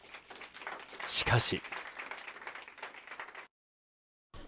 しかし。